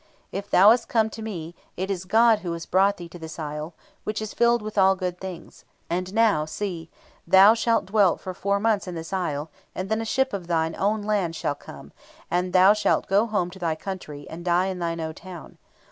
If thou hast come to me, it is God who has brought thee to this isle, which is filled with all good things. And now, see: thou shalt dwell for four months in this isle, and then a ship of thine own land shall come, and thou shalt go home to thy country, and die in thine own town.